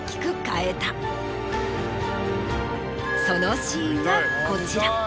そのシーンがこちら。